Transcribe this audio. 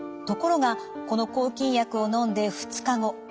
ところがこの抗菌薬をのんで２日後。